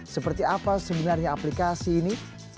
seperti apa sebenarnya aplikasi ini